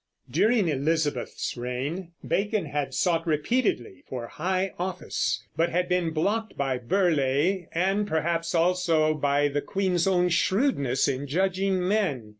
During Elizabeth's reign Bacon had sought repeatedly for high office, but had been blocked by Burleigh and perhaps also by the queen's own shrewdness in judging men.